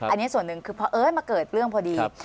อันนี้ส่วนหนึ่งคือพอเอ้ยมาเกิดเรื่องพอดี